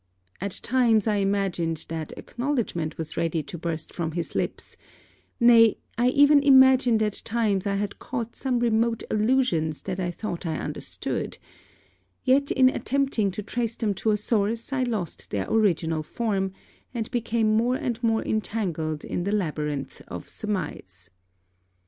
At times, I imagined that acknowledgment was ready to burst from his lips; nay I even imagined at times I had caught some remote allusions that I thought I understood; yet in attempting to trace them to a source, I lost their original form, and became more and more entangled in the labyrinths of surmise.